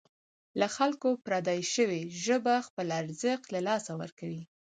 له خلکو پردۍ شوې ژبه خپل ارزښت له لاسه ورکوي.